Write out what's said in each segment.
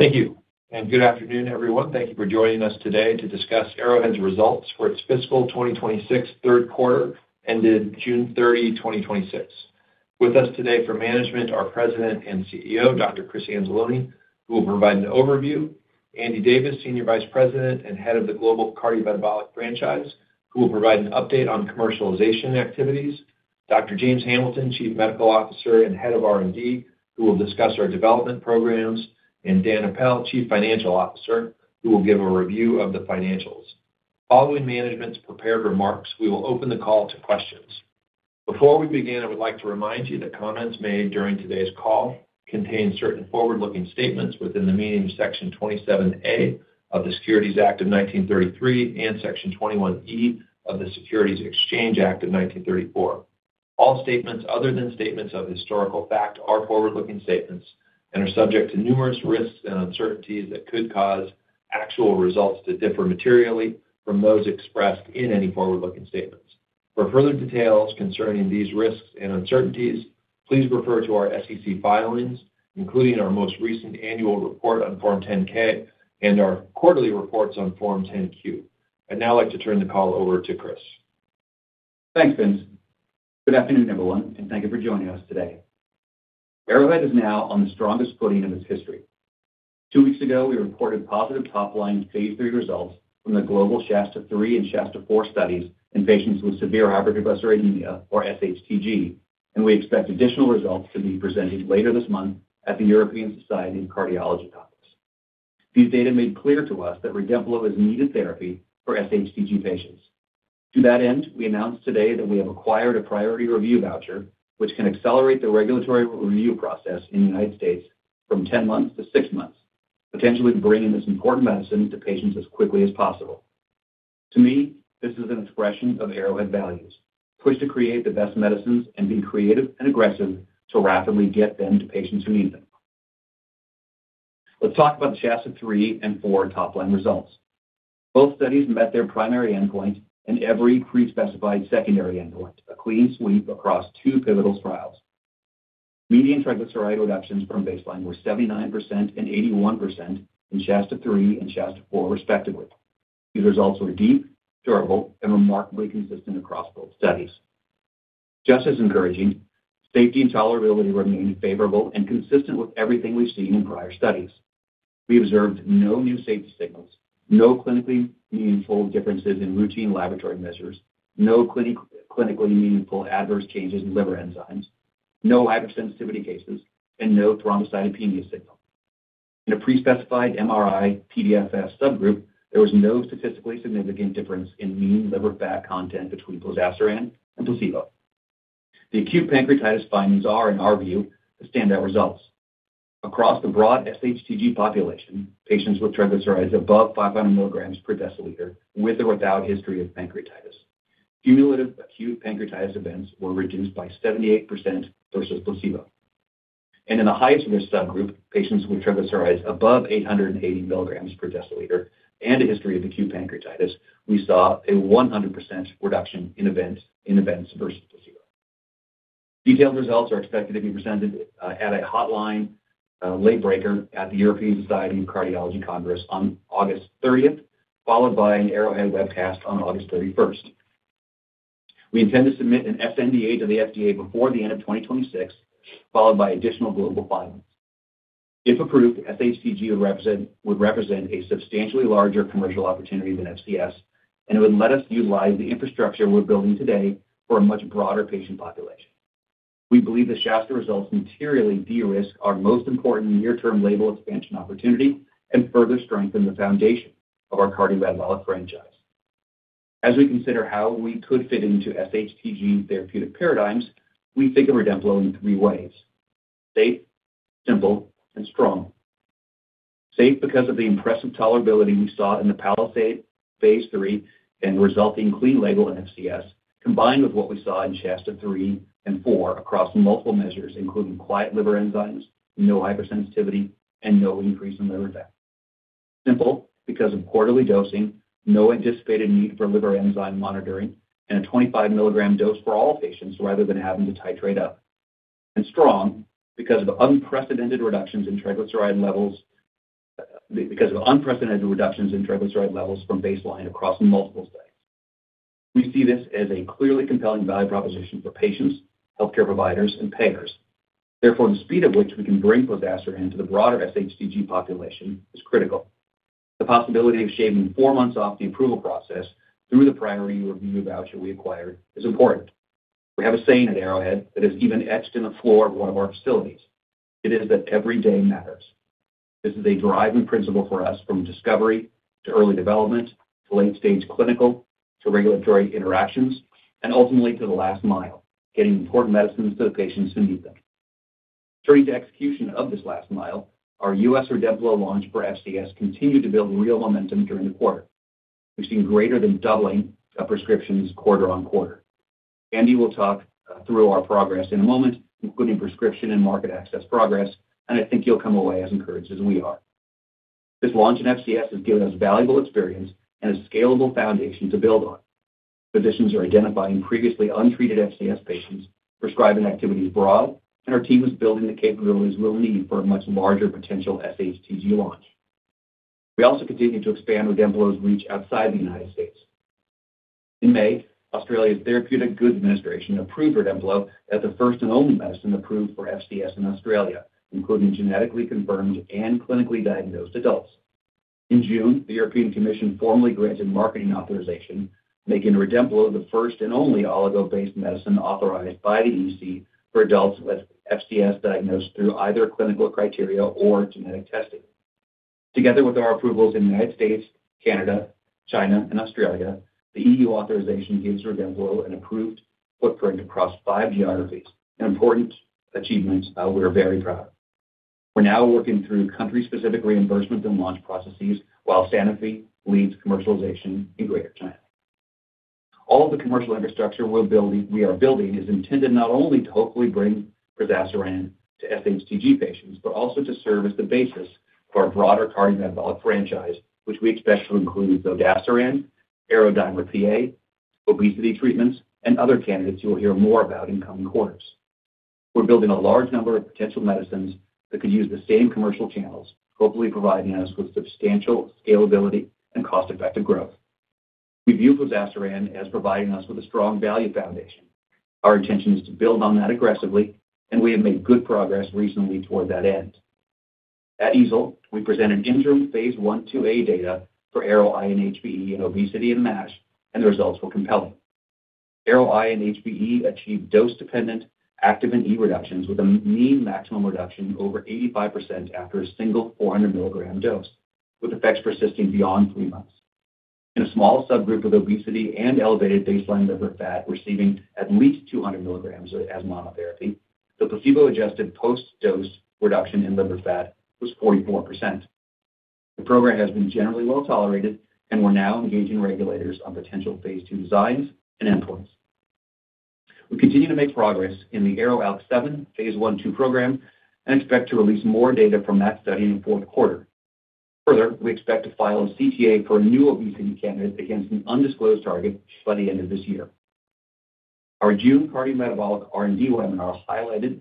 Thank you. Good afternoon, everyone. Thank you for joining us today to discuss Arrowhead's results for its fiscal 2026 third quarter ended June 30, 2026. With us today for management are President and Chief Executive Officer, Dr. Chris Anzalone, who will provide an overview, Andy Davis, Senior Vice President and Head of the Global Cardiometabolic Franchise, who will provide an update on commercialization activities, Dr. James Hamilton, Chief Medical Officer and Head of R&D, who will discuss our development programs, and Dan Apel, Chief Financial Officer, who will give a review of the financials. Following management's prepared remarks, we will open the call to questions. Before we begin, I would like to remind you that comments made during today's call contain certain forward-looking statements within the meaning of Section 27A of the Securities Act of 1933 and Section 21E of the Securities Exchange Act of 1934. All statements other than statements of historical fact are forward-looking statements and are subject to numerous risks and uncertainties that could cause actual results to differ materially from those expressed in any forward-looking statements. For further details concerning these risks and uncertainties, please refer to our SEC filings, including our most recent annual report on Form 10-K and our quarterly reports on Form 10-Q. I'd now like to turn the call over to Chris. Thanks, Vince. Good afternoon, everyone, and thank you for joining us today. Arrowhead is now on the strongest footing in its history. Two weeks ago, we reported positive top-line phase III results from the global SHASTA-3 and SHASTA-4 studies in patients with severe hypertriglyceridemia, or SHTG, and we expect additional results to be presented later this month at the European Society of Cardiology conference. These data made clear to us that REDEMPLO is a needed therapy for SHTG patients. To that end, we announced today that we have acquired a priority review voucher, which can accelerate the regulatory review process in the United States from 10 months to six months, potentially bringing this important medicine to patients as quickly as possible. To me, this is an expression of Arrowhead values, push to create the best medicines and be creative and aggressive to rapidly get them to patients who need them. Let's talk about the SHASTA-3 and 4 top-line results. Both studies met their primary endpoint and every pre-specified secondary endpoint, a clean sweep across two pivotal trials. Median triglyceride reductions from baseline were 79% and 81% in SHASTA-3 and SHASTA-4, respectively. These results were deep, durable, and remarkably consistent across both studies. Just as encouraging, safety and tolerability remained favorable and consistent with everything we've seen in prior studies. We observed no new safety signals, no clinically meaningful differences in routine laboratory measures, no clinically meaningful adverse changes in liver enzymes, no hypersensitivity cases, and no thrombocytopenia signal. In a pre-specified MRI-PDFF subgroup, there was no statistically significant difference in mean liver fat content between plozasiran and placebo. The acute pancreatitis findings are, in our view, the standout results. Across the broad SHTG population, patients with triglycerides above 500 milligrams per deciliter, with or without history of pancreatitis. In the highest-risk subgroup, patients with triglycerides above 880 milligrams per deciliter and a history of acute pancreatitis, we saw a 100% reduction in events versus placebo. Detailed results are expected to be presented at a hotline late-breaker at the European Society of Cardiology Congress on August 30th, followed by an Arrowhead webcast on August 31st. We intend to submit an sNDA to the FDA before the end of 2026, followed by additional global filings. If approved, SHTG would represent a substantially larger commercial opportunity than FCS, and it would let us utilize the infrastructure we're building today for a much broader patient population. We believe the SHASTA results materially de-risk our most important near-term label expansion opportunity and further strengthen the foundation of our cardiometabolic franchise. As we consider how we could fit into SHTG therapeutic paradigms, we think of REDEMPLO in three ways: safe, simple, and strong. Safe because of the impressive tolerability we saw in the PALISADE Phase III and resulting clean label in FCS, combined with what we saw in SHASTA-3 and 4 across multiple measures, including quiet liver enzymes, no hypersensitivity, and no increase in liver death. Simple because of quarterly dosing, no anticipated need for liver enzyme monitoring, and a 25 milligram dose for all patients rather than having to titrate up. Strong because of unprecedented reductions in triglyceride levels from baseline across multiple studies. We see this as a clearly compelling value proposition for patients, healthcare providers, and payers. Therefore, the speed at which we can bring zodasiran to the broader SHTG population is critical. The possibility of shaving four months off the approval process through the priority review voucher we acquired is important. We have a saying at Arrowhead that is even etched in the floor of one of our facilities. It is that every day matters. This is a driving principle for us from discovery to early development, to late-stage clinical, to regulatory interactions, and ultimately to the last mile, getting important medicines to the patients who need them. Turning to execution of this last mile, our U.S. REDEMPLO launch for FCS continued to build real momentum during the quarter. We've seen greater than doubling of prescriptions quarter on quarter. Andy will talk through our progress in a moment, including prescription and market access progress, and I think you'll come away as encouraged as we are. This launch in FCS has given us valuable experience and a scalable foundation to build on. Physicians are identifying previously untreated FCS patients, prescribing activity is broad, and our team is building the capabilities we'll need for a much larger potential SHTG launch. We also continue to expand REDEMPLO's reach outside the United States. In May, Australia's Therapeutic Goods Administration approved REDEMPLO as the first and only medicine approved for FCS in Australia, including genetically confirmed and clinically diagnosed adults. In June, the European Commission formally granted marketing authorization, making REDEMPLO the first and only oligo-based medicine authorized by the EC for adults with FCS diagnosed through either clinical criteria or genetic testing. Together with our approvals in the United States, Canada, China, and Australia, the EU authorization gives REDEMPLO an approved footprint across five geographies, an important achievement we're very proud of. We're now working through country-specific reimbursement and launch processes while Sanofi leads commercialization in Greater China. All of the commercial infrastructure we are building is intended not only to hopefully bring plozasiran to SHTG patients, but also to serve as the basis for our broader cardiometabolic franchise, which we expect to include plozasiran, ARO-DIMER-PA, obesity treatments, and other candidates you will hear more about in coming quarters. We're building a large number of potential medicines that could use the same commercial channels, hopefully providing us with substantial scalability and cost-effective growth. We view plozasiran as providing us with a strong value foundation. Our intention is to build on that aggressively, and we have made good progress recently toward that end. At EASL, we presented interim phase I/IIa data for ARO-INHBE in obesity in MASH, and the results were compelling. ARO-INHBE achieved dose-dependent active and E reductions with a mean maximum reduction over 85% after a single 400 milligrams dose, with effects persisting beyond three months. In a small subgroup of obesity and elevated baseline liver fat receiving at least 200 milligrams as monotherapy, the placebo-adjusted post-dose reduction in liver fat was 44%. The program has been generally well-tolerated, and we're now engaging regulators on potential phase II designs and endpoints. We continue to make progress in the ARO-ALK7 phase I/II program and expect to release more data from that study in the fourth quarter. Further, we expect to file a CTA for a new obesity candidate against an undisclosed target by the end of this year. Our June cardiometabolic R&D webinar highlighted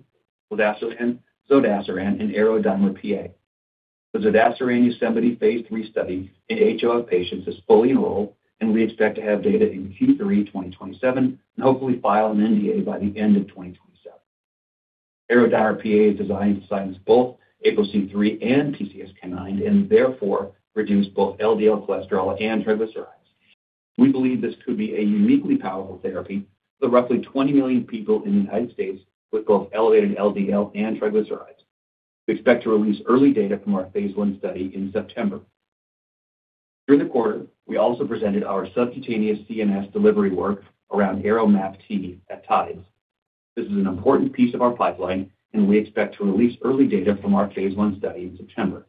plozasiran and ARO-DIMER-PA. The zodasiran YOSEMITE phase III study in HoFH patients is fully enrolled, and we expect to have data in Q3 2027 and hopefully file an NDA by the end of 2027. ARO-DIMER-PA is designed to silence both APOC3 and PCSK9 and therefore reduce both LDL cholesterol and triglycerides. We believe this could be a uniquely powerful therapy for the roughly 20 million people in the United States with both elevated LDL and triglycerides. We expect to release early data from our phase I study in September. During the quarter, we also presented our subcutaneous CNS delivery work around ARO-MAPT at TIDES. This is an important piece of our pipeline, and we expect to release early data from our phase I study in September.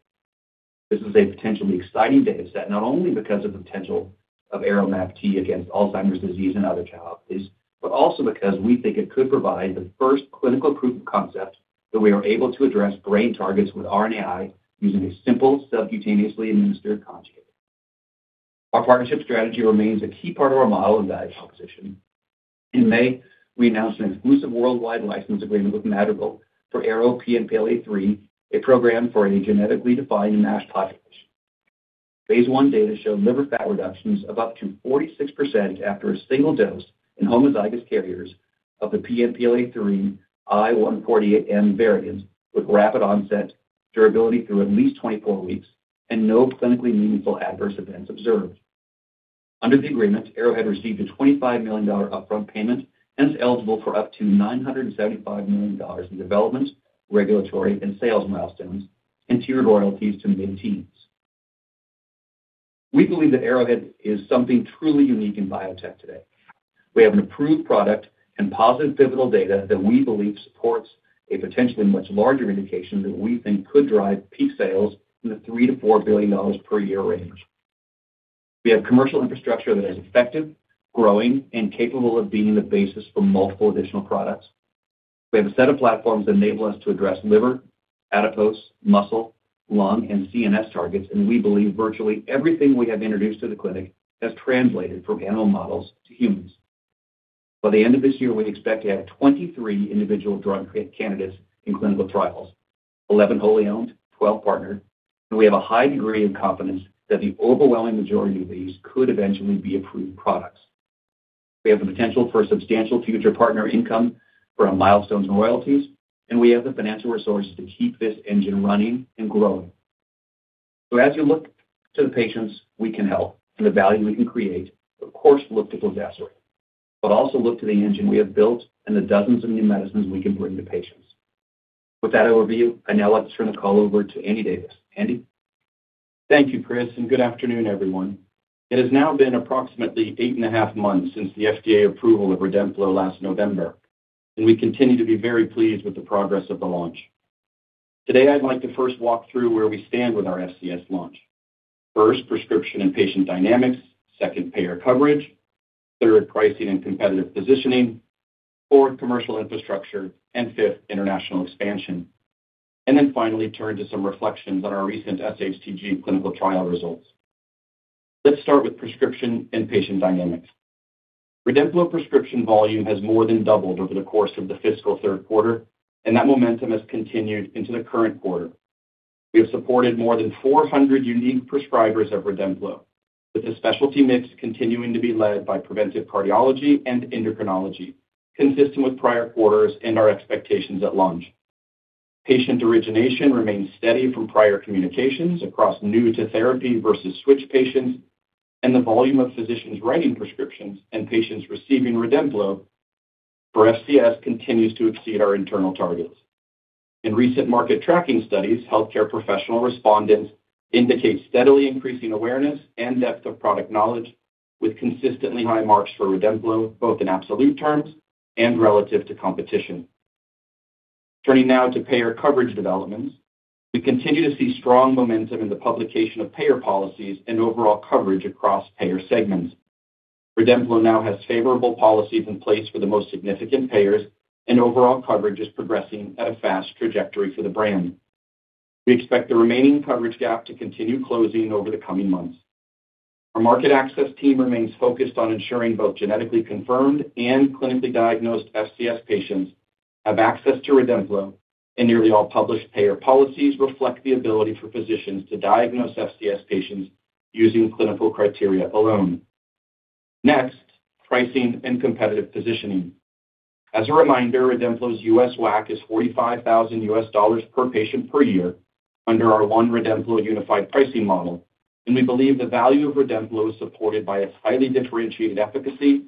This is a potentially exciting data set, not only because of the potential of ARO-MAPT against Alzheimer's disease and other pathologies, but also because we think it could provide the first clinical proof of concept that we are able to address brain targets with RNAi using a simple, subcutaneously administered conjugate. Our partnership strategy remains a key part of our model and value proposition. In May, we announced an exclusive worldwide license agreement with Madrigal for ARO-PNPLA3, a program for a genetically defined MASH population. Phase I data showed liver fat reductions of up to 46% after a single dose in homozygous carriers of the PNPLA3 I148M variant, with rapid onset, durability through at least 24 weeks, and no clinically meaningful adverse events observed. Under the agreement, Arrowhead received a $25 million upfront payment and is eligible for up to $975 million in development, regulatory, and sales milestones and tiered royalties to mid-teens. We believe that Arrowhead is something truly unique in biotech today. We have an approved product and positive pivotal data that we believe supports a potentially much larger indication that we think could drive peak sales in the $3 billion-$4 billion per year range. We have commercial infrastructure that is effective, growing, and capable of being the basis for multiple additional products. We have a set of platforms that enable us to address liver, adipose, muscle, lung, and CNS targets, and we believe virtually everything we have introduced to the clinic has translated from animal models to humans. By the end of this year, we expect to have 23 individual drug candidates in clinical trials, 11 wholly owned, 12 partnered, and we have a high degree of confidence that the overwhelming majority of these could eventually be approved products. We have the potential for substantial future partner income from our milestones and royalties, and we have the financial resources to keep this engine running and growing. As you look to the patients we can help and the value we can create, of course, look to zodasiran, but also look to the engine we have built and the dozens of new medicines we can bring to patients. With that overview, I'd now like to turn the call over to Andy Davis. Andy? Thank you, Chris, and good afternoon, everyone. It has now been approximately 8.5 months since the FDA approval of REDEMPLO last November, and we continue to be very pleased with the progress of the launch. Today, I'd like to first walk through where we stand with our FCS launch. First, prescription and patient dynamics. Second, payer coverage. Third, pricing and competitive positioning. Fourth, commercial infrastructure. And fifth, international expansion. Then finally turn to some reflections on our recent SHTG clinical trial results. Let's start with prescription and patient dynamics. REDEMPLO prescription volume has more than doubled over the course of the fiscal third quarter, and that momentum has continued into the current quarter. We have supported more than 400 unique prescribers of REDEMPLO, with the specialty mix continuing to be led by preventive cardiology and endocrinology, consistent with prior quarters and our expectations at launch. Patient origination remains steady from prior communications across new-to-therapy versus switch patients, and the volume of physicians writing prescriptions and patients receiving REDEMPLO for FCS continues to exceed our internal targets. In recent market tracking studies, healthcare professional respondents indicate steadily increasing awareness and depth of product knowledge with consistently high marks for REDEMPLO, both in absolute terms and relative to competition. Turning now to payer coverage developments. We continue to see strong momentum in the publication of payer policies and overall coverage across payer segments. REDEMPLO now has favorable policies in place for the most significant payers, and overall coverage is progressing at a fast trajectory for the brand. We expect the remaining coverage gap to continue closing over the coming months. Our market access team remains focused on ensuring both genetically confirmed and clinically diagnosed FCS patients have access to REDEMPLO, and nearly all published payer policies reflect the ability for physicians to diagnose FCS patients using clinical criteria alone. Next, pricing and competitive positioning. As a reminder, REDEMPLO's U.S. WAC is $45,000 per patient per year under our one REDEMPLO unified pricing model, and we believe the value of REDEMPLO is supported by its highly differentiated efficacy,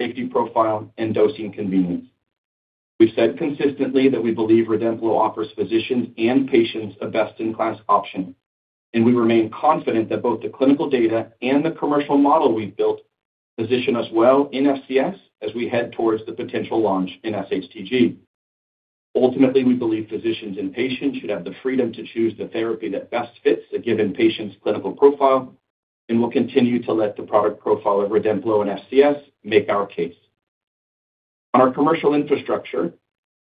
safety profile, and dosing convenience. We've said consistently that we believe REDEMPLO offers physicians and patients a best-in-class option, and we remain confident that both the clinical data and the commercial model we've built position us well in FCS as we head towards the potential launch in SHTG. Ultimately, we believe physicians and patients should have the freedom to choose the therapy that best fits a given patient's clinical profile, and we'll continue to let the product profile of REDEMPLO and FCS make our case. On our commercial infrastructure,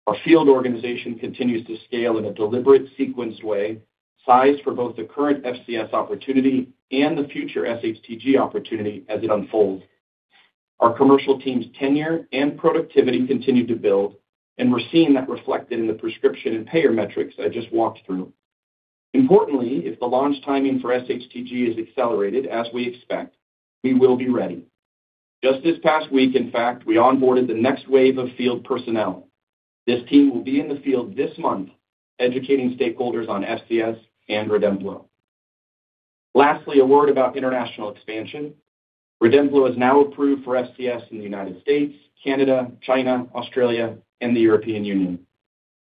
our field organization continues to scale in a deliberate, sequenced way, sized for both the current FCS opportunity and the future SHTG opportunity as it unfolds. Our commercial team's tenure and productivity continue to build, and we're seeing that reflected in the prescription and payer metrics I just walked through. Importantly, if the launch timing for SHTG is accelerated, as we expect, we will be ready. Just this past week, in fact, we onboarded the next wave of field personnel. This team will be in the field this month educating stakeholders on FCS and REDEMPLO. Lastly, a word about international expansion. REDEMPLO is now approved for FCS in the U.S., Canada, China, Australia, and the European Union.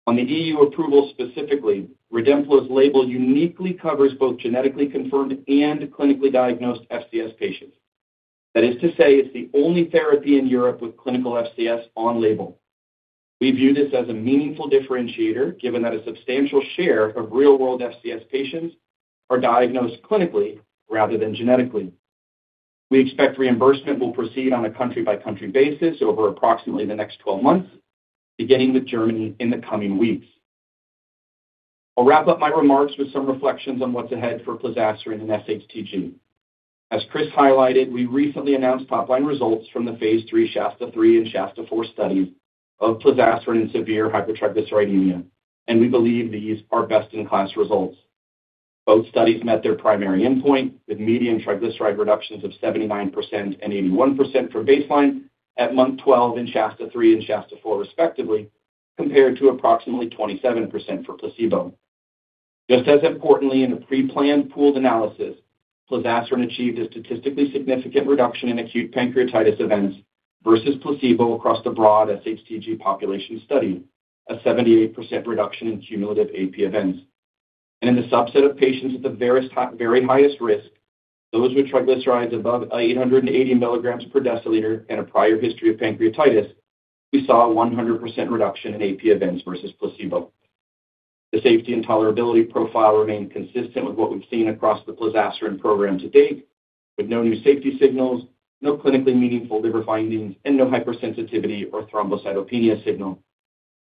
On the EU approval specifically, REDEMPLO's label uniquely covers both genetically confirmed and clinically diagnosed FCS patients. That is to say, it's the only therapy in Europe with clinical FCS on label. We view this as a meaningful differentiator, given that a substantial share of real-world FCS patients are diagnosed clinically rather than genetically. We expect reimbursement will proceed on a country-by-country basis over approximately the next 12 months, beginning with Germany in the coming weeks. I'll wrap up my remarks with some reflections on what's ahead for plozasiran in SHTG. As Chris highlighted, we recently announced top-line results from the phase III SHASTA-3 and SHASTA-4 studies of plozasiran in severe hypertriglyceridemia, and we believe these are best-in-class results. Both studies met their primary endpoint, with median triglyceride reductions of 79% and 81% for baseline at month 12 in SHASTA-3 and SHASTA-4 respectively, compared to approximately 27% for placebo. Just as importantly, in a pre-planned pooled analysis, plozasiran achieved a statistically significant reduction in acute pancreatitis events versus placebo across the broad SHTG population study, a 78% reduction in cumulative AP events. And in the subset of patients at the very highest risk, those with triglycerides above 880 milligrams per deciliter and a prior history of pancreatitis, we saw a 100% reduction in AP events versus placebo. The safety and tolerability profile remained consistent with what we've seen across the plozasiran program to date, with no new safety signals, no clinically meaningful liver findings, and no hypersensitivity or thrombocytopenia signal.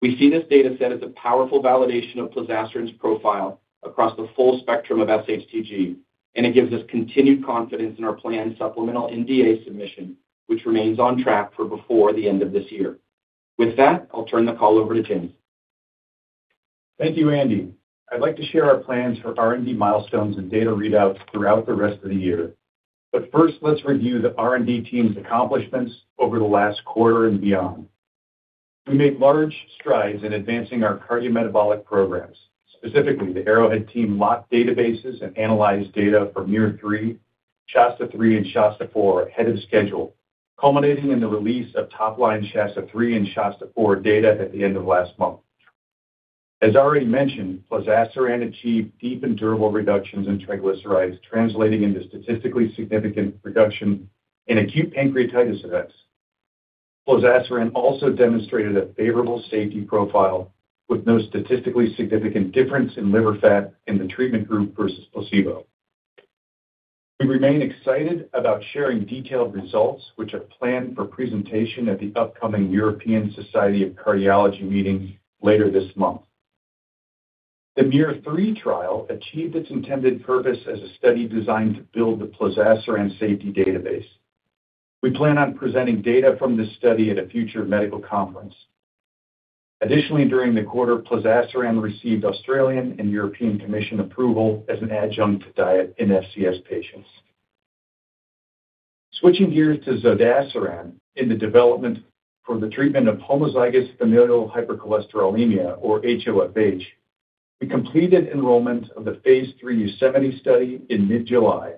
We see this data set as a powerful validation of plozasiran profile across the full spectrum of SHTG, and it gives us continued confidence in our planned supplemental NDA submission, which remains on track for before the end of this year. With that, I'll turn the call over to James. Thank you, Andy. I'd like to share our plans for R&D milestones and data readouts throughout the rest of the year. First, let's review the R&D team's accomplishments over the last quarter and beyond. We made large strides in advancing our cardiometabolic programs. Specifically, the Arrowhead team locked databases and analyzed data for MUIR, SHASTA-3, and SHASTA-4 ahead of schedule, culminating in the release of top-line SHASTA-3 and SHASTA-4 data at the end of last month. As already mentioned, plozasiran achieved deep and durable reductions in triglycerides, translating into statistically significant reduction in acute pancreatitis events. Plozasiran also demonstrated a favorable safety profile with no statistically significant difference in liver fat in the treatment group versus placebo. We remain excited about sharing detailed results, which are planned for presentation at the upcoming European Society of Cardiology Congress later this month. The MUIR trial achieved its intended purpose as a study designed to build the plozasiran safety database. We plan on presenting data from this study at a future medical conference. Additionally, during the quarter, plozasiran received Australian and European Commission approval as an adjunct to diet in FCS patients. Switching gears to zodasiran in the development for the treatment of homozygous familial hypercholesterolemia, or HoFH. We completed enrollment of the phase III YOSEMITE study in mid-July.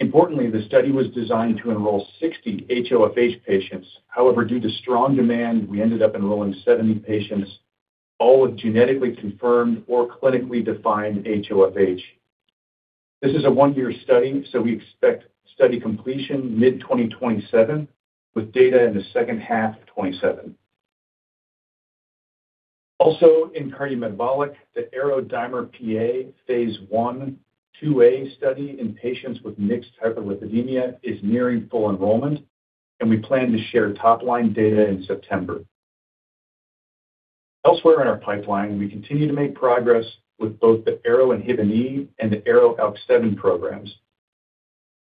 Importantly, the study was designed to enroll 60 HoFH patients. However, due to strong demand, we ended up enrolling 70 patients, all with genetically confirmed or clinically defined HoFH. This is a one-year study, so we expect study completion mid-2027, with data in the second half of 2027. In cardiometabolic, the ARO-DIMER-PA phase I, II-A study in patients with mixed hyperlipidemia is nearing full enrollment. We plan to share top-line data in September. Elsewhere in our pipeline, we continue to make progress with both the ARO-INHBE and the ARO-ALK7 programs.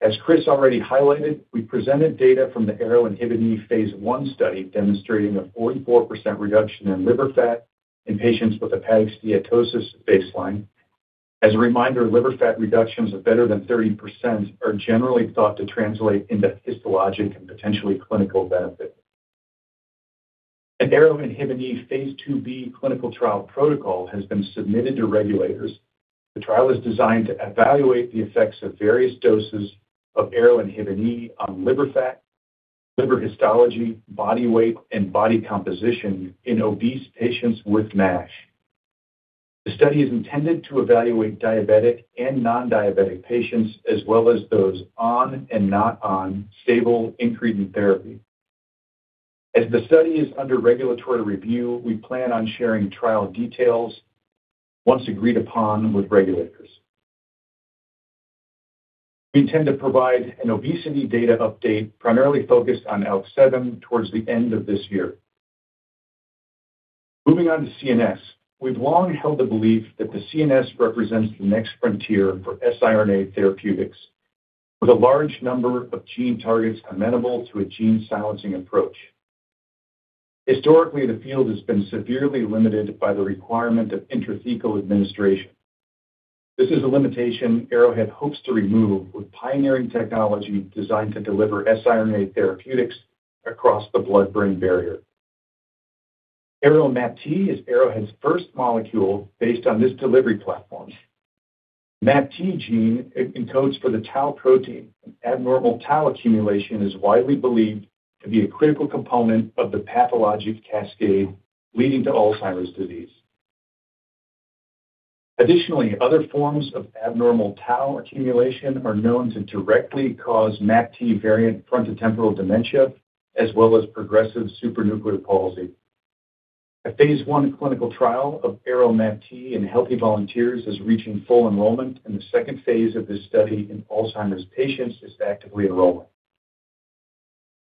As Chris already highlighted, we presented data from the ARO-INHBE phase I study demonstrating a 44% reduction in liver fat in patients with hepatic steatosis baseline. As a reminder, liver fat reductions of better than 30% are generally thought to translate into histologic and potentially clinical benefit. An ARO-INHBE phase II-B clinical trial protocol has been submitted to regulators. The trial is designed to evaluate the effects of various doses of ARO-INHBE on liver fat, liver histology, body weight, and body composition in obese patients with MASH. The study is intended to evaluate diabetic and non-diabetic patients, as well as those on and not on stable incretin therapy. As the study is under regulatory review, we plan on sharing trial details once agreed upon with regulators. We intend to provide an obesity data update primarily focused on ALK7 towards the end of this year. Moving on to CNS. We've long held the belief that the CNS represents the next frontier for siRNA therapeutics, with a large number of gene targets amenable to a gene-silencing approach. Historically, the field has been severely limited by the requirement of intrathecal administration. This is a limitation Arrowhead hopes to remove with pioneering technology designed to deliver siRNA therapeutics across the blood-brain barrier. ARO-MAPT is Arrowhead's first molecule based on this delivery platform. MAPT gene encodes for the tau protein. Abnormal tau accumulation is widely believed to be a critical component of the pathologic cascade leading to Alzheimer's disease. Additionally, other forms of abnormal tau accumulation are known to directly cause MAPT variant frontotemporal dementia, as well as progressive supranuclear palsy. A phase I clinical trial of ARO-MAPT in healthy volunteers is reaching full enrollment, and the second phase of this study in Alzheimer's patients is actively enrolling.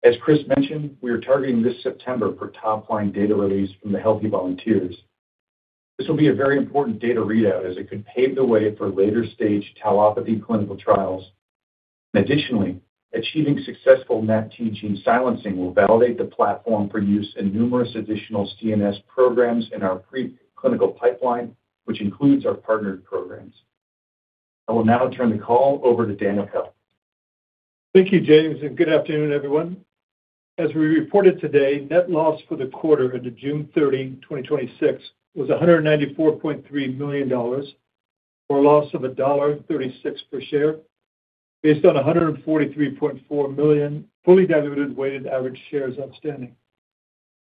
As Chris mentioned, we are targeting this September for top-line data release from the healthy volunteers. This will be a very important data readout as it could pave the way for later-stage tauopathy clinical trials. Additionally, achieving successful MAPT gene silencing will validate the platform for use in numerous additional CNS programs in our preclinical pipeline, which includes our partnered programs. I will now turn the call over to Dan Apel. Thank you, James, and good afternoon, everyone. As we reported today, net loss for the quarter ended June 30, 2026, was $194.3 million, or a loss of $1.36 per share based on 143.4 million fully diluted weighted average shares outstanding.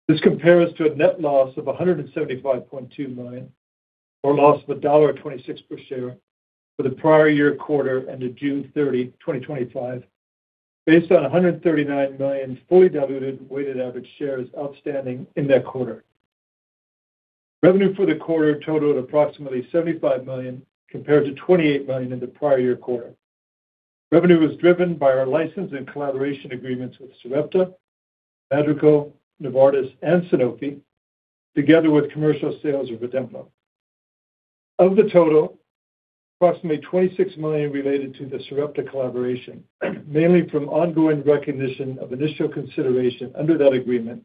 This compares to a net loss of $175.2 million, or a loss of $1.26 per share for the prior year quarter ended June 30, 2025, based on 139 million fully diluted weighted average shares outstanding in that quarter. Revenue for the quarter totaled approximately $75 million compared to $28 million in the prior year quarter. Revenue was driven by our license and collaboration agreements with Sarepta, Madrigal, Novartis, and Sanofi, together with commercial sales of REDEMPLO. Of the total, approximately $26 million related to the Sarepta collaboration, mainly from ongoing recognition of initial consideration under that agreement,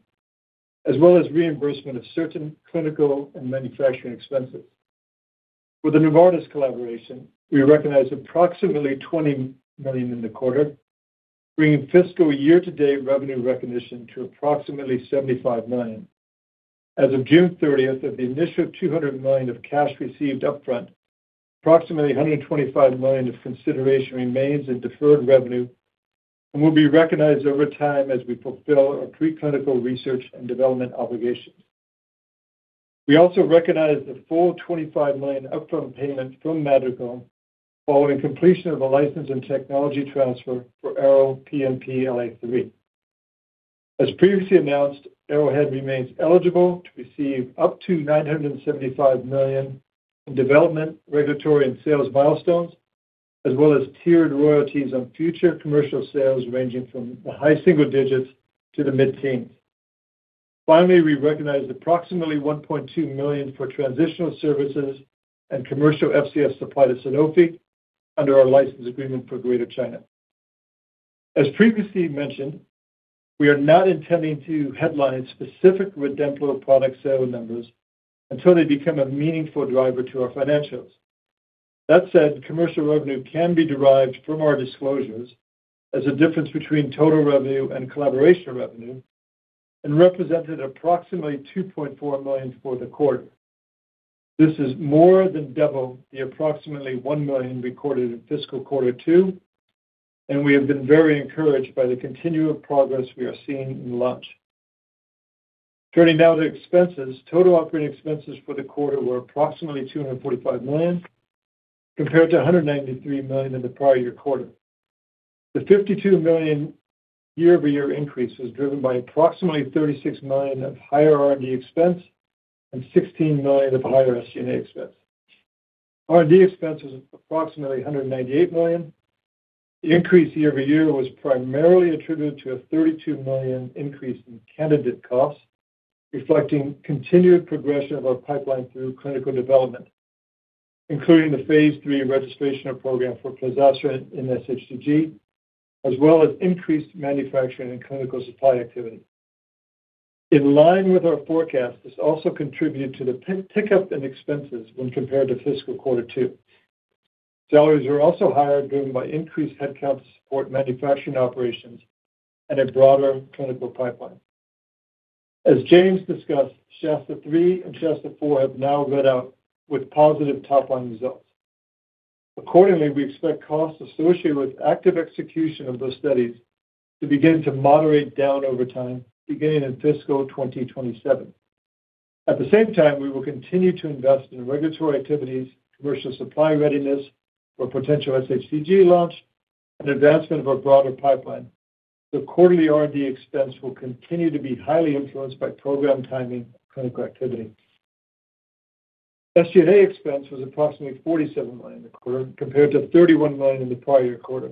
as well as reimbursement of certain clinical and manufacturing expenses. With the Novartis collaboration, we recognized approximately $20 million in the quarter, bringing fiscal year-to-date revenue recognition to approximately $75 million. As of June 30th, of the initial $200 million of cash received upfront, approximately $125 million of consideration remains in deferred revenue and will be recognized over time as we fulfill our preclinical research and development obligations. We also recognized the full $25 million upfront payment from Madrigal following completion of a license and technology transfer for ARO-PNPLA3. As previously announced, Arrowhead remains eligible to receive up to $975 million in development, regulatory, and sales milestones, as well as tiered royalties on future commercial sales ranging from the high single digits to the mid-teens. Finally, we recognized approximately $1.2 million for transitional services and commercial FCS supply to Sanofi under our license agreement for Greater China. As previously mentioned, we are not intending to headline specific REDEMPLO product sale numbers until they become a meaningful driver to our financials. That said, commercial revenue can be derived from our disclosures as a difference between total revenue and collaboration revenue and represented approximately $2.4 million for the quarter. This is more than double the approximately $1 million recorded in fiscal quarter two, and we have been very encouraged by the continual progress we are seeing in launch. Turning now to expenses. Total operating expenses for the quarter were approximately $245 million, compared to $193 million in the prior year quarter. The $52 million year-over-year increase is driven by approximately $36 million of higher R&D expense and $16 million of higher SG&A expense. R&D expense was approximately $198 million. The increase year-over-year was primarily attributed to a $32 million increase in candidate costs, reflecting continued progression of our pipeline through clinical development, including the phase III registration of program for plozasiran in SHTG, as well as increased manufacturing and clinical supply activity. In line with our forecast, this also contributed to the tick-up in expenses when compared to fiscal quarter two. Salaries were also higher, driven by increased headcount to support manufacturing operations and a broader clinical pipeline. As James discussed, SHASTA-3 and SHASTA-4 have now read out with positive top-line results. Accordingly, we expect costs associated with active execution of those studies to begin to moderate down over time, beginning in fiscal 2027. At the same time, we will continue to invest in regulatory activities, commercial supply readiness for potential SHTG launch, and advancement of our broader pipeline. The quarterly R&D expense will continue to be highly influenced by program timing and clinical activity. SG&A expense was approximately $47 million compared to $31 million in the prior year quarter.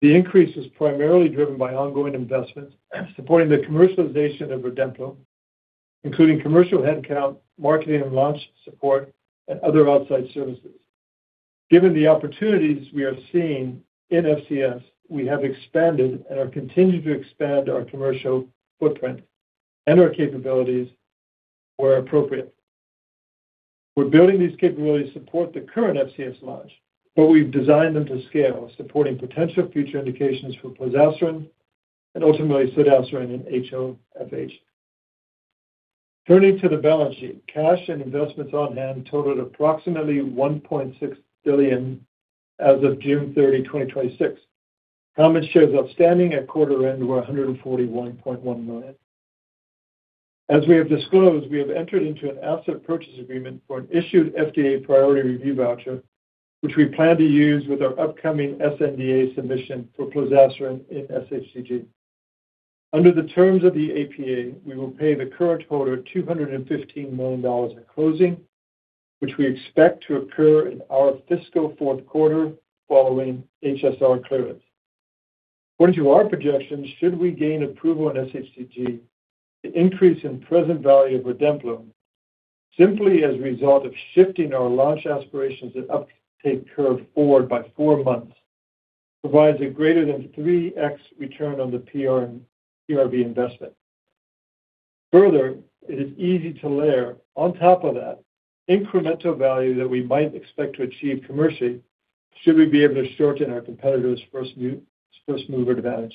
The increase is primarily driven by ongoing investments supporting the commercialization of REDEMPLO, including commercial headcount, marketing and launch support, and other outside services. Given the opportunities we are seeing in FCS, we have expanded and are continuing to expand our commercial footprint and our capabilities where appropriate. We're building these capabilities to support the current FCS launch, but we've designed them to scale, supporting potential future indications for plozasiran and ultimately zodasiran in HoFH. Turning to the balance sheet. Cash and investments on hand totaled approximately $1.6 billion as of June 30, 2026. Common shares outstanding at quarter end were 141.1 million. As we have disclosed, we have entered into an asset purchase agreement for an issued FDA priority review voucher, which we plan to use with our upcoming sNDA submission for plozasiran in SHTG. Under the terms of the APA, we will pay the current holder $215 million at closing, which we expect to occur in our fiscal fourth quarter following HSR clearance. According to our projections, should we gain approval on SHTG, the increase in present value of REDEMPLO simply as a result of shifting our launch aspirations and uptake curve forward by four months provides a greater than 3x return on the PRV investment. Further, it is easy to layer on top of that incremental value that we might expect to achieve commercially should we be able to shorten our competitor's first mover advantage.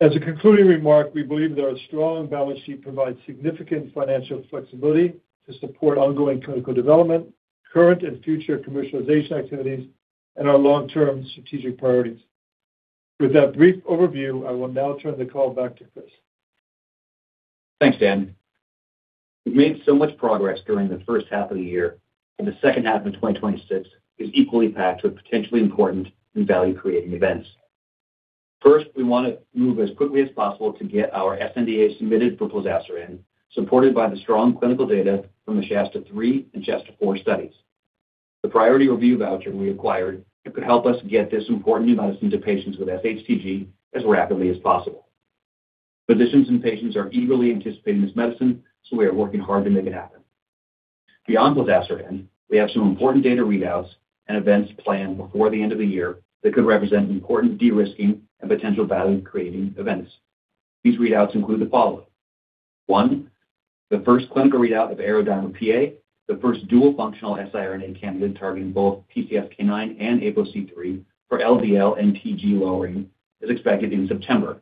As a concluding remark, we believe that our strong balance sheet provides significant financial flexibility to support ongoing clinical development, current and future commercialization activities, and our long-term strategic priorities. With that brief overview, I will now turn the call back to Chris. Thanks, Dan. We've made so much progress during the first half of the year, and the second half of 2026 is equally packed with potentially important and value-creating events. First, we want to move as quickly as possible to get our sNDA submitted for plozasiran, supported by the strong clinical data from the SHASTA-3 and SHASTA-4 studies. The priority review voucher we acquired could help us get this important new medicine to patients with SHTG as rapidly as possible. Physicians and patients are eagerly anticipating this medicine, so we are working hard to make it happen. Beyond plozasiran, we have some important data readouts and events planned before the end of the year that could represent important de-risking and potential value-creating events. These readouts include the following. One, the first clinical readout of ARO-DIMER-PA, the first dual-functional siRNA candidate targeting both PCSK9 and APOC3 for LDL and TG lowering, is expected in September.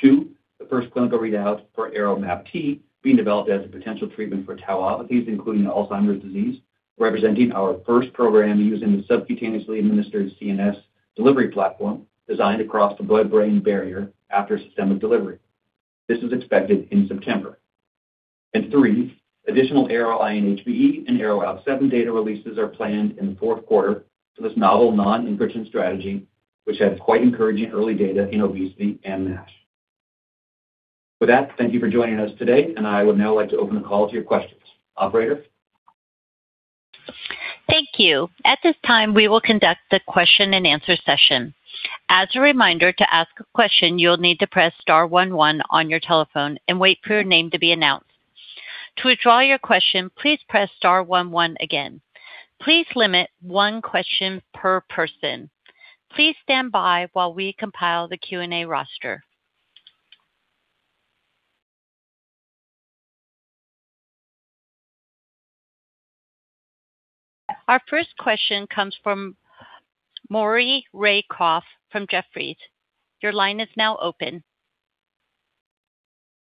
Two, the first clinical readout for ARO-MAPT, being developed as a potential treatment for tauopathies, including Alzheimer's disease, representing our first program using the subcutaneously administered CNS delivery platform designed across the blood-brain barrier after systemic delivery. This is expected in September. Three, additional ARO-INHBE and ARO-ALK7 data releases are planned in the fourth quarter for this novel non-incretin strategy, which has quite encouraging early data in obesity and MASH. With that, thank you for joining us today, and I would now like to open the call to your questions. Operator? Thank you. At this time, we will conduct the question-and-answer session. As a reminder, to ask a question, you will need to press star one one on your telephone and wait for your name to be announced. To withdraw your question, please press star one one again. Please limit one question per person. Please stand by while we compile the question-and-answer roster. Our first question comes from Maury Raycroft from Jefferies. Your line is now open.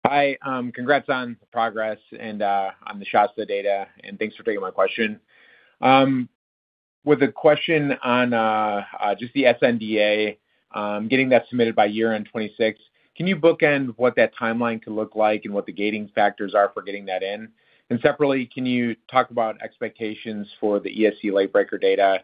Hi. Congrats on the progress and on the Shasta data. Thanks for taking my question. With a question on just the sNDA, getting that submitted by year-end 2026, can you bookend what that timeline could look like and what the gating factors are for getting that in? Separately, can you talk about expectations for the ESC late breaker data?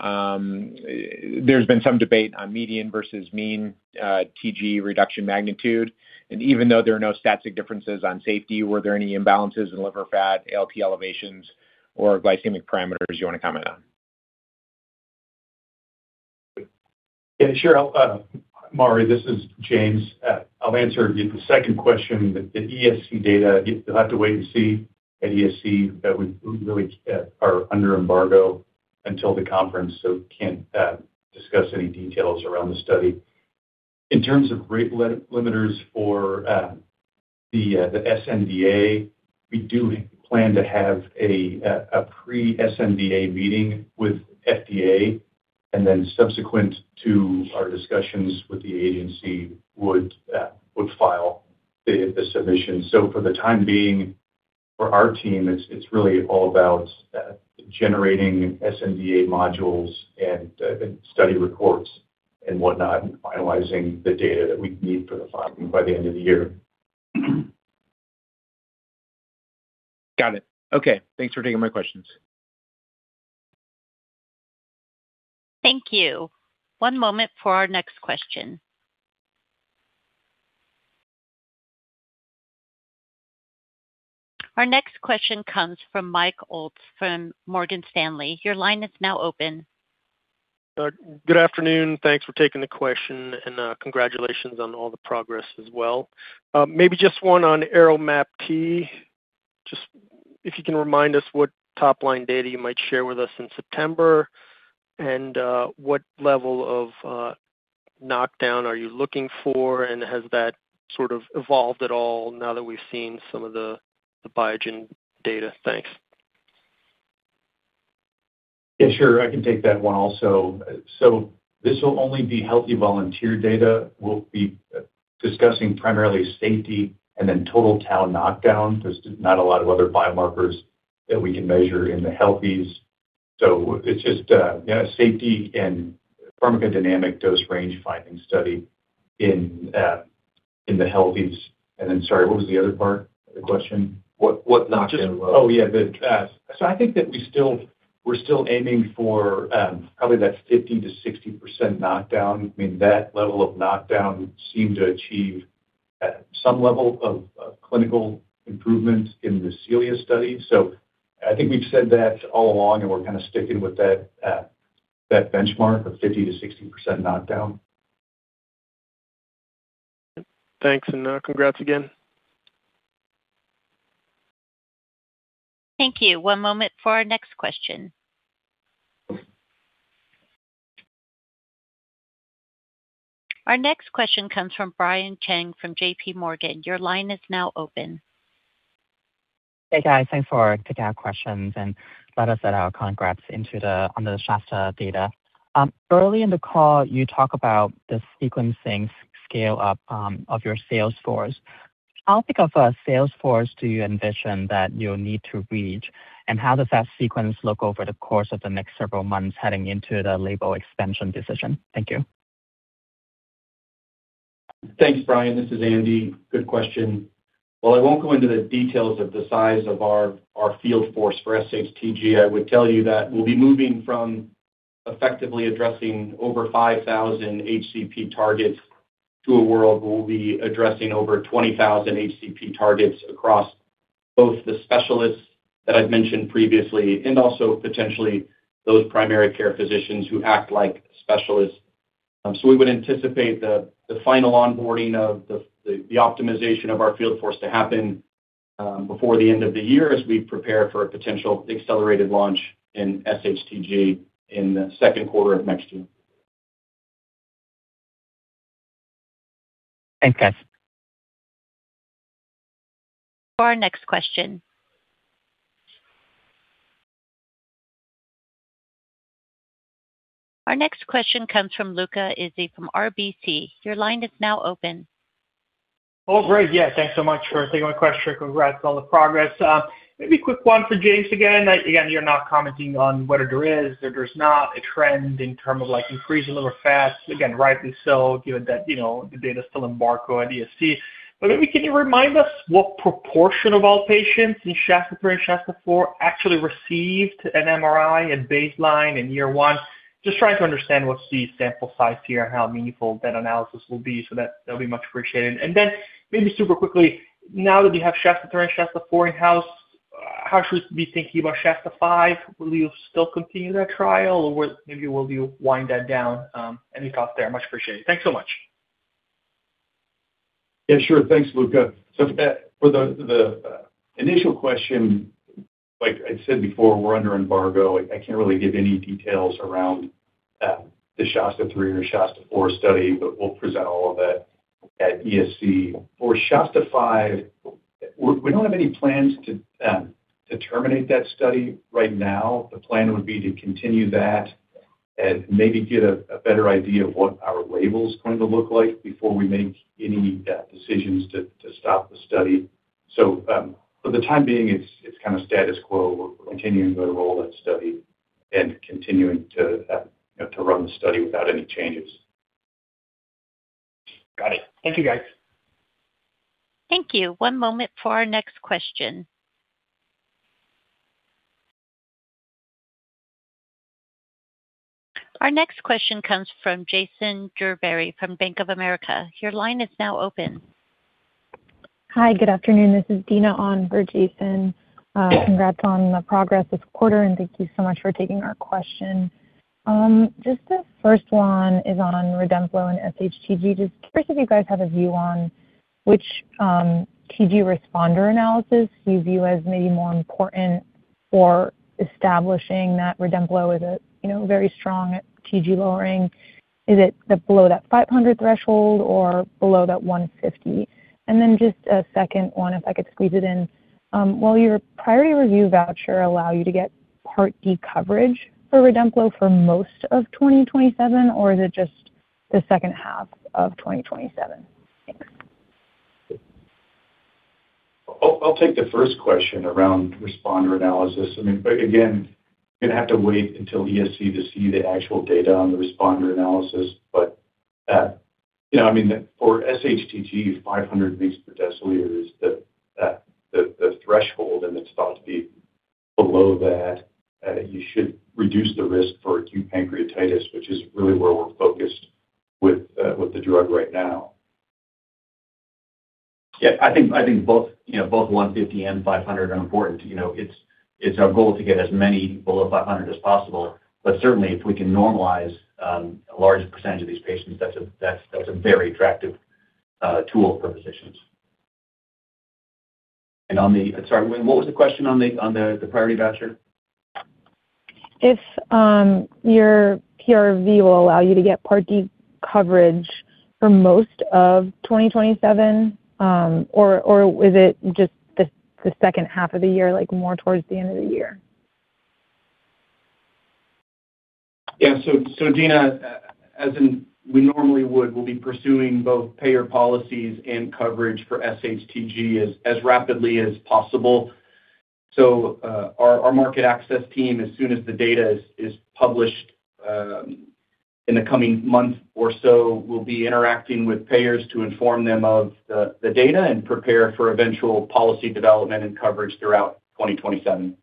There's been some debate on median versus mean TG reduction magnitude, and even though there are no statistically significant differences on safety, were there any imbalances in liver fat, ALT elevations, or glycemic parameters you want to comment on? Yeah, sure. Maury, this is James. I'll answer the second question. The ESC data, you'll have to wait and see at ESC. We really are under embargo until the conference, so can't discuss any details around the study. In terms of rate limiters for the sNDA, we do plan to have a pre-sNDA meeting with FDA. Subsequent to our discussions with the agency, would file the submission. For the time being, for our team, it's really all about generating sNDA modules and study reports and whatnot, finalizing the data that we need for the filing by the end of the year. Got it. Okay. Thanks for taking my questions. Thank you. One moment for our next question. Our next question comes from Michael Ulz from Morgan Stanley. Your line is now open. Good afternoon. Thanks for taking the question, and congratulations on all the progress as well. Maybe just one on ARO-MAPT. Just if you can remind us what top-line data you might share with us in September, and what level of knockdown are you looking for, and has that sort of evolved at all now that we've seen some of the Biogen data? Thanks. Yeah, sure. I can take that one also. This will only be healthy volunteer data. We'll be discussing primarily safety and then total tau knockdown. There's not a lot of other biomarkers that we can measure in the healthies. It's just safety and pharmacodynamic dose range finding study in the healthies. Sorry, what was the other part of the question? What knockdown level? Oh, yeah. I think that we're still aiming for probably that 50%-60% knockdown. I mean, that level of knockdown seemed to achieve some level of clinical improvement in the CELIA study. I think we've said that all along, and we're kind of sticking with that benchmark of 50%-60% knockdown. Thanks, and congrats again. Thank you. One moment for our next question. Our next question comes from Brian Cheng from JPMorgan. Your line is now open. Hey, guys. Thanks for taking our questions. Let us add our congrats on the SHASTA data. Early in the call, you talk about the sequencing scale-up of your sales force. How big of a sales force do you envision that you'll need to reach, and how does that sequence look over the course of the next several months heading into the label expansion decision? Thank you. Thanks, Brian. This is Andy. Good question. While I won't go into the details of the size of our field force for SHTG, I would tell you that we'll be moving from effectively addressing over 5,000 HCP targets to a world where we'll be addressing over 20,000 HCP targets across both the specialists that I've mentioned previously and also potentially those primary care physicians who act like specialists. We would anticipate the final onboarding of the optimization of our field force to happen before the end of the year as we prepare for a potential accelerated launch in SHTG in the second quarter of next year. Thanks, guys. Our next question comes from Luca Issi from RBC Capital Markets. Your line is now open. Oh, great. Yeah, thanks so much for taking my question. Congrats on all the progress. Maybe a quick one for James again. Again, you're not commenting on whether there is or there's not a trend in terms of increasing liver fat. Again, rightly so, given that the data's still embargo at ESC. Maybe can you remind us what proportion of all patients in SHASTA-3 and SHASTA-4 actually received an MRI at baseline in year one? Just trying to understand what's the sample size here and how meaningful that analysis will be. That'll be much appreciated. Maybe super quickly, now that you have SHASTA-3 and SHASTA-4 in-house, how should we be thinking about SHASTA-5? Will you still continue that trial or maybe will you wind that down? Any thoughts there? Much appreciated. Thanks so much. Yeah, sure. Thanks, Luca. For the initial question, like I said before, we're under embargo. I can't really give any details around the SHASTA-3 or SHASTA-4 study, but we'll present all of it at ESC. For SHASTA-5, we don't have any plans to terminate that study right now. The plan would be to continue that and maybe get a better idea of what our label's going to look like before we make any decisions to stop the study. For the time being, it's kind of status quo. We're continuing to enroll that study and continuing to run the study without any changes. Got it. Thank you, guys. Thank you. One moment for our next question. Our next question comes from Jason Gerberry from Bank of America. Your line is now open. Hi, good afternoon. This is Dina on for Jason. Congrats on the progress this quarter. Thank you so much for taking our question. Just the first one is on REDEMPLO and SHTG. Just curious if you guys have a view on which TG responder analysis you view as maybe more important for establishing that REDEMPLO is a very strong TG lowering. Is it below that 500 milligrams per deciliter threshold or below that 150 milligrams? Just a second one, if I could squeeze it in. Will your priority review voucher allow you to get Part D coverage for REDEMPLO for most of 2027, or is it just the second half of 2027? Thanks. I'll take the first question around responder analysis. I mean, again, going to have to wait until ESC to see the actual data on the responder analysis. For SHTG, 500 milligrams per deciliter is the threshold, and it's thought to be below that you should reduce the risk for acute pancreatitis, which is really where we're focused with the drug right now. Yeah, I think both 150 milligrams per deciliter and 500 milligrams per deciliter are important. It's our goal to get as many below 500 milligrams per deciliter as possible. Certainly, if we can normalize a large percentage of these patients, that's a very attractive tool for physicians. Sorry, what was the question on the priority voucher? If your PRV will allow you to get Part D coverage for most of 2027, or is it just the second half of the year, more towards the end of the year? Yeah. Dina, as we normally would, we'll be pursuing both payer policies and coverage for SHTG as rapidly as possible. Our market access team, as soon as the data is published in the coming month or so, will be interacting with payers to inform them of the data and prepare for eventual policy development and coverage throughout 2027.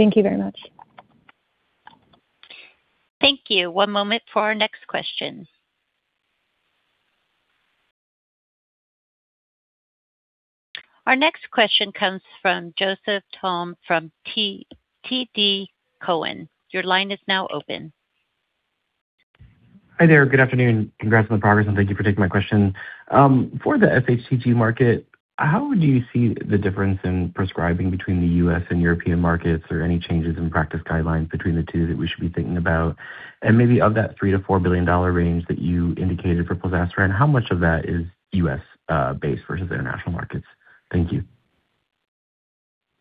Thank you very much. Thank you. One moment for our next question. Our next question comes from Joseph Thome from TD Cowen. Your line is now open. Hi there. Good afternoon. Congrats on the progress and thank you for taking my question. For the SHTG market, how do you see the difference in prescribing between the U.S. and European markets, or any changes in practice guidelines between the two that we should be thinking about? Maybe of that $3 billion-$4 billion range that you indicated for plozasiran, how much of that is U.S.-based versus international markets? Thank you.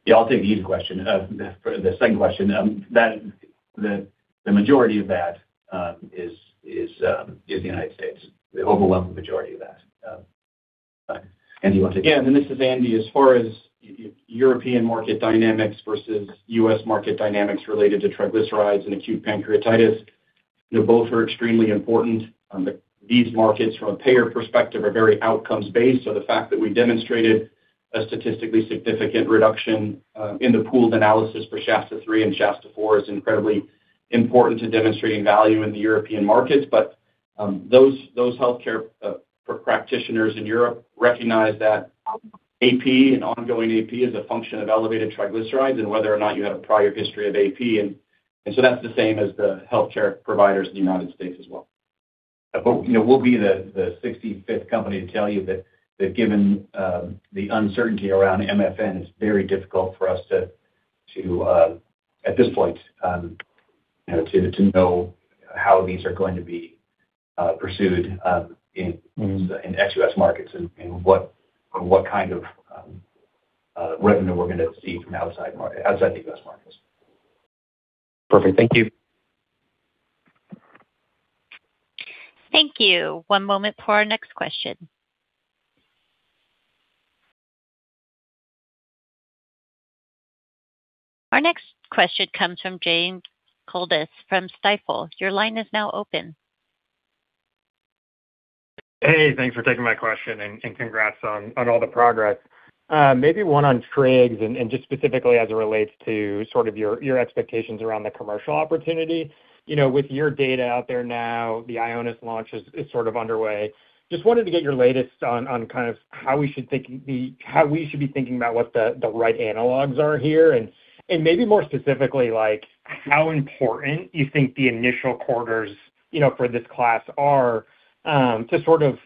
Yeah. I'll take the easy question. For the second question, the majority of that is the United States. The overwhelming majority of that. Andy, you want to take that? Yeah, this is Andy. As far as European market dynamics versus U.S. market dynamics related to triglycerides and acute pancreatitis, both are extremely important. These markets from a payer perspective are very outcomes-based. The fact that we demonstrated a statistically significant reduction in the pooled analysis for SHASTA-3 and SHASTA-4 is incredibly important to demonstrating value in the European markets. Those healthcare practitioners in Europe recognize that AP and ongoing AP is a function of elevated triglycerides and whether or not you had a prior history of AP. That's the same as the healthcare providers in the United States as well. We'll be the 65th company to tell you that given the uncertainty around MFN, it's very difficult for us at this point to know how these are going to be pursued in ex-U.S. markets and what kind of revenue we're going to see from outside the U.S. markets. Perfect. Thank you. Thank you. One moment for our next question. Our next question comes from James Condulis from Stifel. Your line is now open. Hey, thanks for taking my question, and congrats on all the progress. Maybe one on triglyceride and just specifically as it relates to sort of your expectations around the commercial opportunity. With your data out there now, the Ionis launch is sort of underway. Just wanted to get your latest on kind of how we should be thinking about what the right analogs are here and maybe more specifically, how important you think the initial quarters for this class are to sort of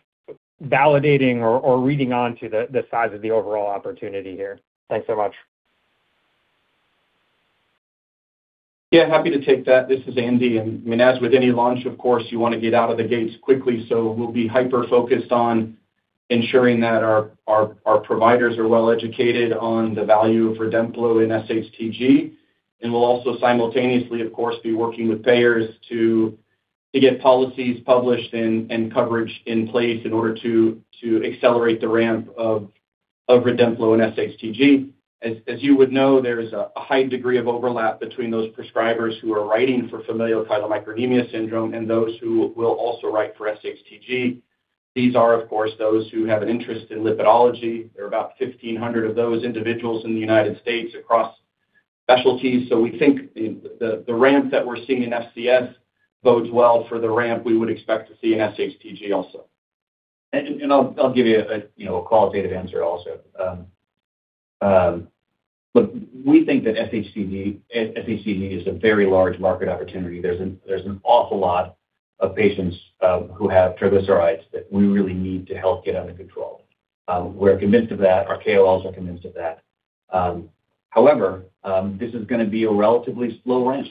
validating or reading onto the size of the overall opportunity here. Thanks so much. Yeah, happy to take that. This is Andy. As with any launch, of course, you want to get out of the gates quickly. We'll be hyper-focused on ensuring that our providers are well-educated on the value of Redemplo in SHTG. We'll also simultaneously, of course, be working with payers to get policies published and coverage in place in order to accelerate the ramp of Redemplo and SHTG. You would know, there is a high degree of overlap between those prescribers who are writing for Familial Chylomicronemia Syndrome and those who will also write for SHTG. These are, of course, those who have an interest in lipidology. There are about 1,500 of those individuals in the U.S. across specialties. We think the ramp that we're seeing in FCS bodes well for the ramp we would expect to see in SHTG also. I'll give you a qualitative answer also. Look, we think that SHTG is a very large market opportunity. There's an awful lot of patients who have triglycerides that we really need to help get under control. We're convinced of that. Our KOLs are convinced of that. This is going to be a relatively slow ramp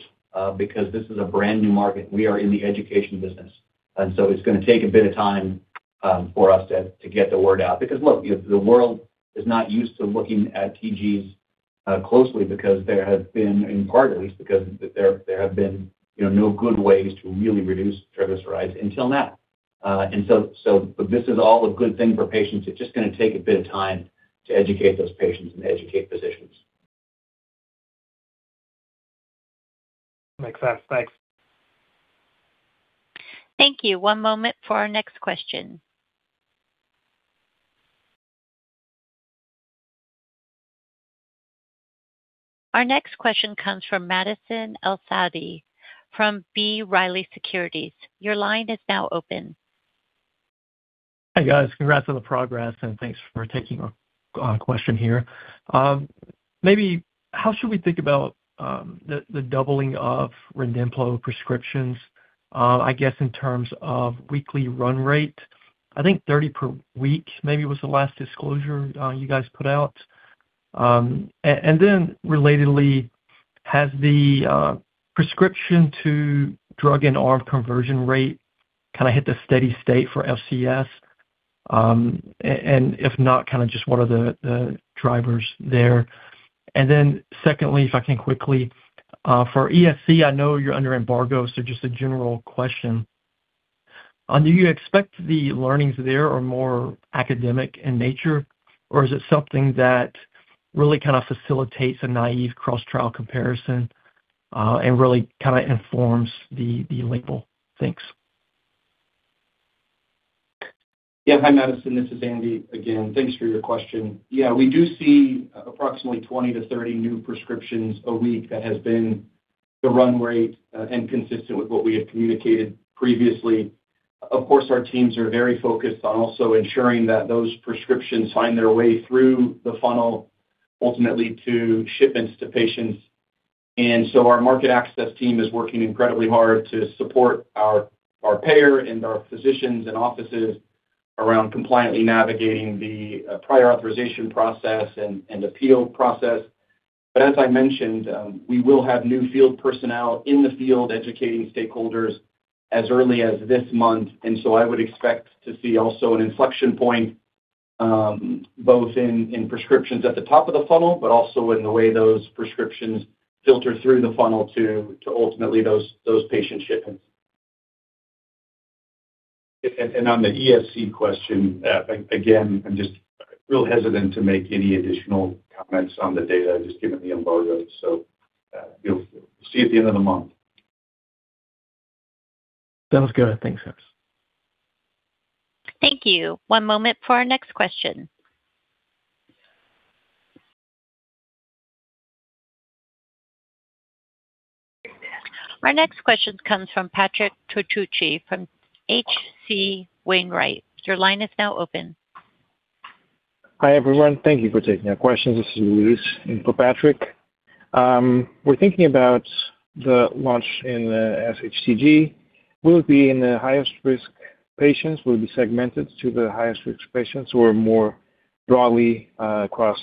because this is a brand-new market. We are in the education business, it's going to take a bit of time for us to get the word out. Look, the world is not used to looking at TGs closely because there have been, in part at least, because there have been no good ways to really reduce triglycerides until now. This is all a good thing for patients. It's just going to take a bit of time to educate those patients and educate physicians. Makes sense. Thanks. Thank you. One moment for our next question. Our next question comes from Madison El-Sadi from B. Riley Securities. Your line is now open. Hi, guys. Congrats on the progress and thanks for taking a question here. Maybe how should we think about the doubling of REDEMPLO prescriptions, I guess, in terms of weekly run rate? I think 30 per week maybe was the last disclosure you guys put out. Relatedly, has the prescription-to-drug and arm conversion rate kind of hit the steady state for FCS? If not, kind of just what are the drivers there? Secondly, if I can quickly, for ESC, I know you're under embargo, so just a general question. Do you expect the learnings there are more academic in nature, or is it something that really kind of facilitates a naive cross-trial comparison and really kind of informs the label? Thanks. Yeah. Hi, Madison. This is Andy again. Thanks for your question. Yeah, we do see approximately 20 new prescriptions-30 new prescriptions a week. That has been the run rate and consistent with what we had communicated previously. Our teams are very focused on also ensuring that those prescriptions find their way through the funnel, ultimately to shipments to patients. Our market access team is working incredibly hard to support our payer and our physicians and offices around compliantly navigating the prior authorization process and appeal process. As I mentioned, we will have new field personnel in the field educating stakeholders as early as this month. I would expect to see also an inflection point both in prescriptions at the top of the funnel, but also in the way those prescriptions filter through the funnel to ultimately those patient shipments. On the ESC question, again, I'm just real hesitant to make any additional comments on the data just given the embargo. You'll see at the end of the month. Sounds good. Thanks. Thank you. One moment for our next question. Our next question comes from Patrick Trucchio from H.C. Wainwright. Your line is now open. Hi, everyone. Thank you for taking our questions. This is Luis in for Patrick. We're thinking about the launch in the SHTG. Will it be in the highest-risk patients? Will it be segmented to the highest-risk patients who are more broadly across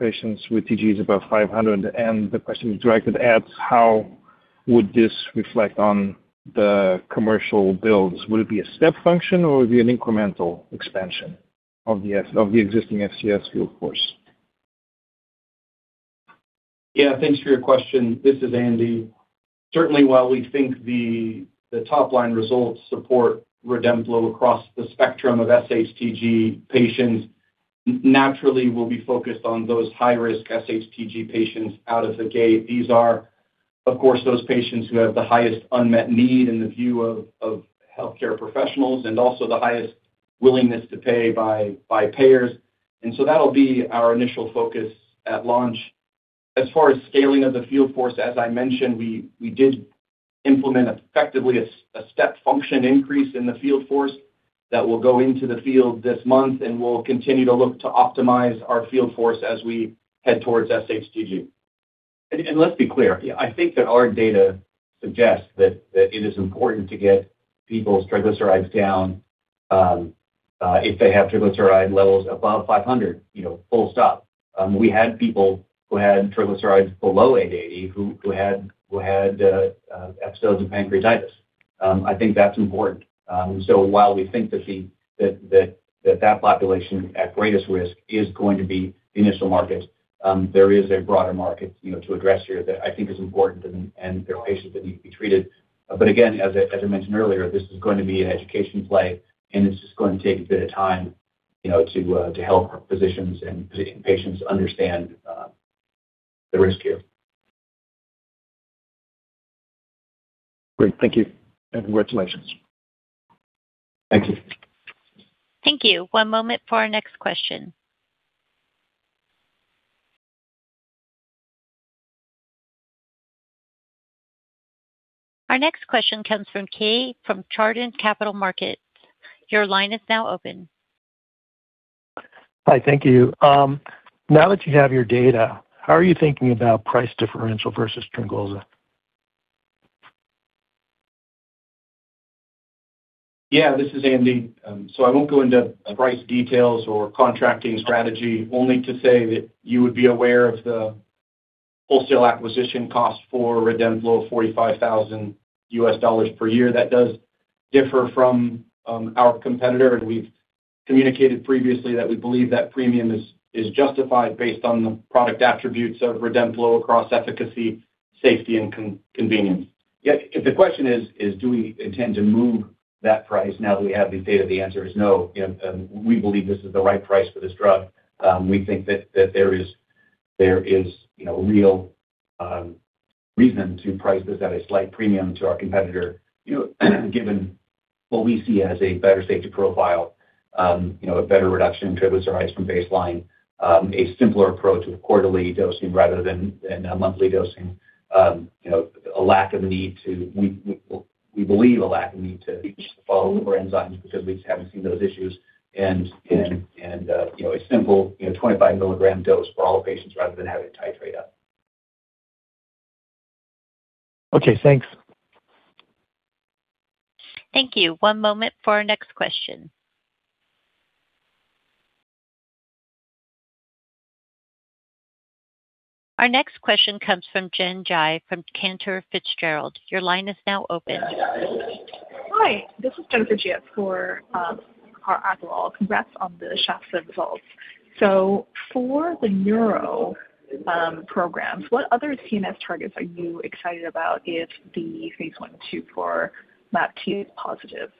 patients with triglyceride above 500 milligrams per deciliter, and the question is directed at how would this reflect on the commercial builds? Would it be a step function or would it be an incremental expansion of the existing FCS field force? Yeah, thanks for your question. This is Andy. Certainly, while we think the top-line results support REDEMPLO across the spectrum of SHTG patients, naturally, we'll be focused on those high-risk SHTG patients out of the gate. These are, of course, those patients who have the highest unmet need in the view of healthcare professionals and also the highest willingness to pay by payers. So that'll be our initial focus at launch. As far as scaling of the field force, as I mentioned, we did implement effectively a step function increase in the field force that will go into the field this month. We'll continue to look to optimize our field force as we head towards SHTG. Let's be clear. I think that our data suggests that it is important to get people's triglycerides down if they have triglyceride levels above 500 milligrams per deciliter, full stop. We had people who had triglycerides below 880 milligrams who had episodes of pancreatitis. I think that's important. While we think that that population at greatest risk is going to be the initial market, there is a broader market to address here that I think is important and there are patients that need to be treated. Again, as I mentioned earlier, this is going to be an education play and it's just going to take a bit of time to help physicians and patients understand the risk here. Great. Thank you and congratulations. Thank you. Thank you. One moment for our next question. Our next question comes from Keay from Chardan Capital Markets. Your line is now open. Hi, thank you. Now that you have your data, how are you thinking about price differential versus TRYNGOLZA®? Yeah, this is Andy. I won't go into price details or contracting strategy only to say that you would be aware of the wholesale acquisition cost for REDEMPLO of $45,000 per year. That does differ from our competitor and we've communicated previously that we believe that premium is justified based on the product attributes of REDEMPLO across efficacy, safety, and convenience. If the question is, do we intend to move that price now that we have these data? The answer is no. We believe this is the right price for this drug. We think that there is real reason to price this at a slight premium to our competitor given what we see as a better safety profile, a better reduction in triglycerides from baseline, a simpler approach with quarterly dosing rather than a monthly dosing. We believe a lack of need to follow liver enzymes because we just haven't seen those issues and a simple 25 milligrams dose for all patients rather than having to titrate up. Okay, thanks. Thank you. One moment for our next question. Our next question comes from Jennifer Jia from Cantor Fitzgerald. Your line is now open. Hi, this is Jennifer Jia for congrats on the SHS results. For the neuro programs, what other TMS targets are you excited about if the phase I/II for MAPT is positive?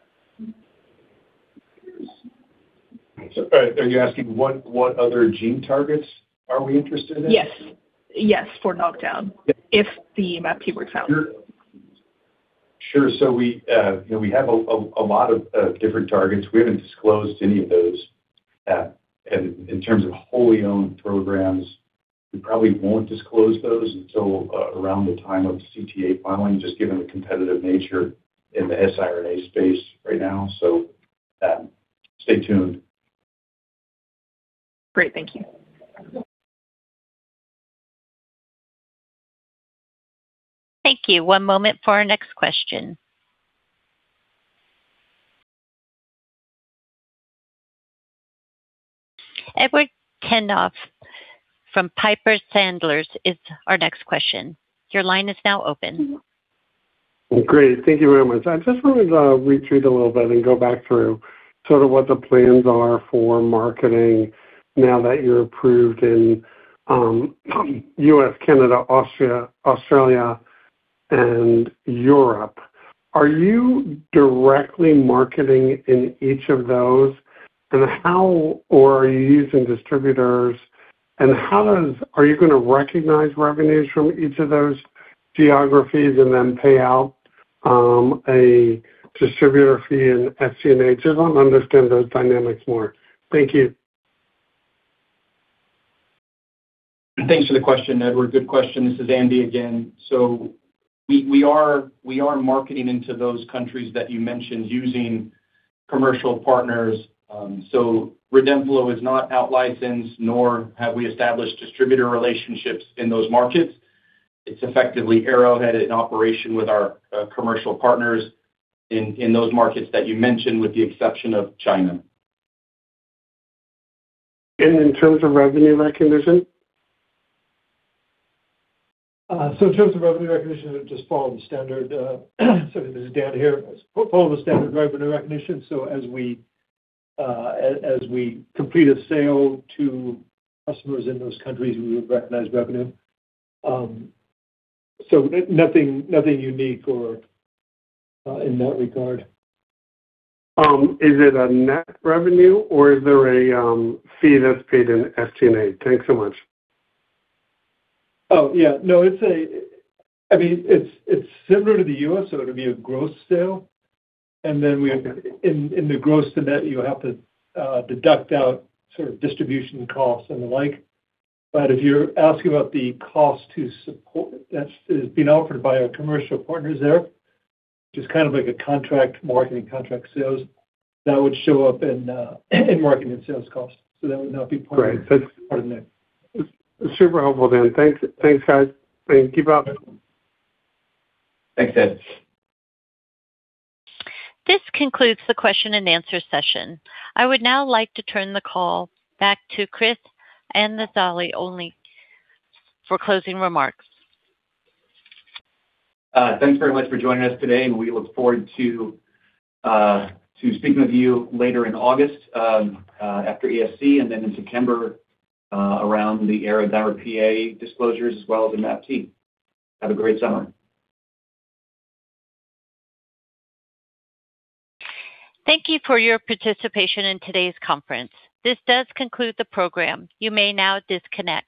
Are you asking what other gene targets are we interested in? Yes. Yes. For knockdown. If the MAPT works out. Sure. We have a lot of different targets. We haven't disclosed any of those. In terms of wholly owned programs, we probably won't disclose those until around the time of the CTA filing, just given the competitive nature in the siRNA space right now. Stay tuned. Great. Thank you. Thank you. One moment for our next question. Edward Tenthoff from Piper Sandler is our next question. Your line is now open. Great. Thank you very much. I just wanted to retreat a little bit and go back through sort of what the plans are for marketing now that you're approved in U.S., Canada, Australia, and Europe. Are you directly marketing in each of those or are you using distributors? Are you going to recognize revenues from each of those geographies and then pay out a distributor fee in SC and H? I just want to understand those dynamics more. Thank you. Thanks for the question, Edward. Good question. This is Andy again. We are marketing into those countries that you mentioned using commercial partners. REDEMPLO is not out-licensed nor have we established distributor relationships in those markets. It's effectively Arrowhead in operation with our commercial partners in those markets that you mentioned, with the exception of China. In terms of revenue recognition? In terms of revenue recognition, it would just follow the standard. Sorry, this is Dan here. Follow the standard revenue recognition. As we complete a sale to customers in those countries, we would recognize revenue. Nothing unique in that regard. Is it a net revenue or is there a fee that's paid in SG&A? Thanks so much. No, it's similar to the U.S., it'll be a gross sale. Then in the gross to net, you have to deduct out distribution costs and the like. If you're asking about the cost to support that is being offered by our commercial partners there, which is like a contract marketing, contract sales, that would show up in marketing and sales costs. That would now be. Great. Part of net. Super helpful, Dan. Thanks, guys, and keep up. Thanks, Ed. This concludes the question and answer session. I would now like to turn the call back to Chris Anzalone for closing remarks. Thanks very much for joining us today, and we look forward to speaking with you later in August, after ESC, and then in September, around the ARO-DIMER-PA disclosures, as well as in MAPT. Have a great summer. Thank you for your participation in today's conference. This does conclude the program. You may now disconnect.